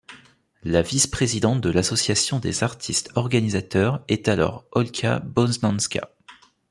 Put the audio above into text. La vice-présidente de l’association des artistes organisateurs est alors Olga Boznanska.